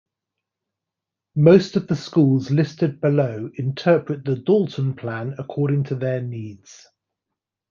Most of the schools listed below interpret the Dalton Plan according to their needs.